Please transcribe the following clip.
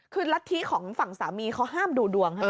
คือลัดที้ของฝั่งสามีเขาห้ามดูดวง